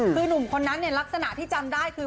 คือหนุ่มคนนั้นเนี่ยลักษณะที่จำได้คือ